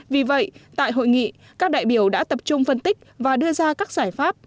vì vậy tại hội nghị các đại biểu đã tập trung phân tích và đưa ra các giải pháp